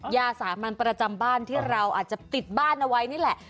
ยาสามัญประจำบ้านที่เราอาจจะติดบ้านเอาไว้นี่แหละ